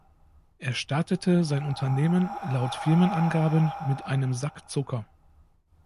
Er startete sein Unternehmen laut Firmenangaben „mit einem Sack Zucker“.